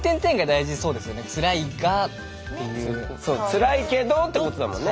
辛いけどってことだもんね。